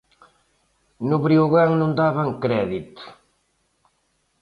No Breogán non daban crédito.